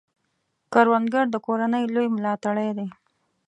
کروندګر د کورنۍ لوی ملاتړی دی